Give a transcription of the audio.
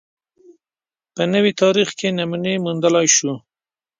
په نوي تاریخ کې نمونې موندلای شو